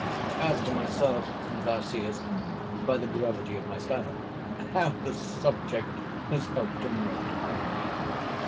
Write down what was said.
As to myself, thou seest, by the gravity of my style, how the subject has helped to mortify me.